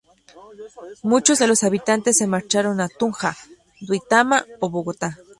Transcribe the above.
Muchos de los habitantes se marcharon a Tunja, Duitama o Bogotá.